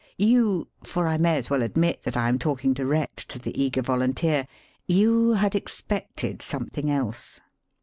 You — for I may as well admit that I am talking direct to the eager volunteer — you had expected something else.